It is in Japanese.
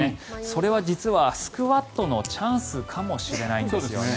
それは実は、スクワットのチャンスかもしれないんですね。